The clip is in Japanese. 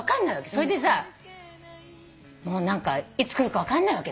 それでさいつ来るか分かんないわけ。